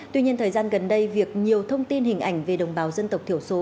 tuy nhiên thời gian gần đây việc nhiều thông tin hình ảnh về đồng bào dân tộc thiểu số